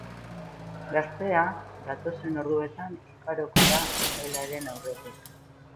Gaztea datozen orduetan igaroko da epailearen aurretik.